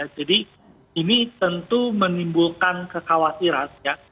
ini tentu menimbulkan kekhawatiran ya